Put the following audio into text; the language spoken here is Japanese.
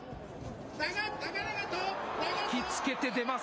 引き付けて出ます。